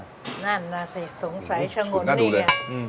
นั่นนะสิสงสัยชะมดนี่อะ